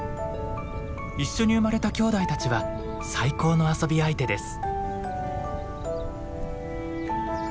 一緒に生まれたきょうだいたちは最高の遊び相手です。